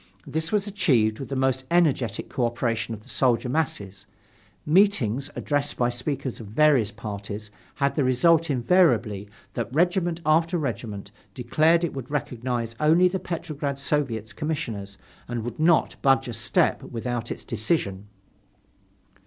This was achieved with the most energetic cooperation of the soldier masses. Meetings, addressed by speakers of various parties, had the result, invariably, that regiment after regiment declared it would recognize only the Petrograd Soviet's Commissioners and would not budge a step without its decision.